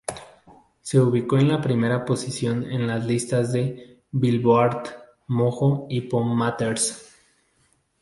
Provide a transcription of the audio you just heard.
Se ubicó en la primera posición en las listas de "Billboard", "Mojo" y "PopMatters".